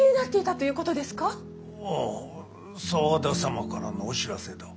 ああ沢田様からのお知らせだ。